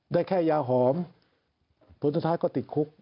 ได้แค่ยาหอมผลสุดท้ายก็ติดคุก